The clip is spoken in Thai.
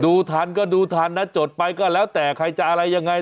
ทันก็ดูทันนะจดไปก็แล้วแต่ใครจะอะไรยังไง